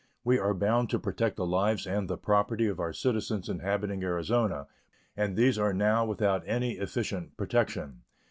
We are bound to protect the lives and the property of our citizens inhabiting Arizona, and these are now without any efficient protection.